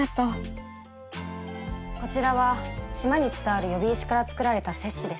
こちらは島に伝わる喚姫石から作られた鑷子です。